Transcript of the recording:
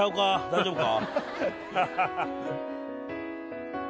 大丈夫か？